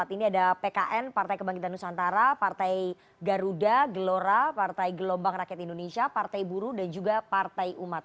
ini ada pkn partai kebangkitan nusantara partai garuda gelora partai gelombang rakyat indonesia partai buruh dan juga partai umat